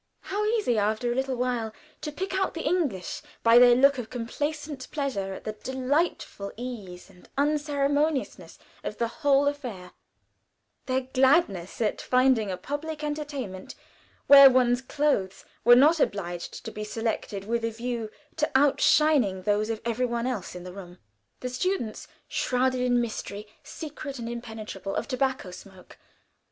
How easy, after a little while, to pick out the English, by their look of complacent pleasure at the delightful ease and unceremoniousness of the whole affair; their gladness at finding a public entertainment where one's clothes were not obliged to be selected with a view to outshining those of every one else in the room; the students shrouded in a mystery, secret and impenetrable, of tobacco smoke.